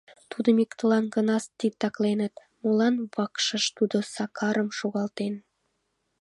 Тудым иктылан гына титакленыт: молан вакшыш тудо Сакарым шогалтен?